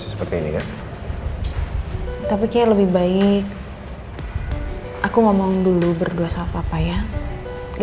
assalamualaikum warahmatullahi wabarakatuh